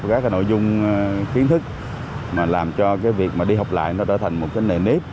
các nội dung kiến thức làm cho việc đi học lại trở thành một nền nếp